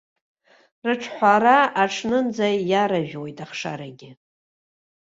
Рыҿҳәара аҽнынӡа иаражәуеит ахшарагьы.